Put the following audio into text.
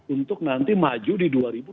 untuk nanti maju di dua ribu dua puluh